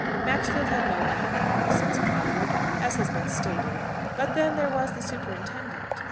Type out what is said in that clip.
Maxfield had no lack of partisans in Whitford, as has been stated; but then there was the superintendent!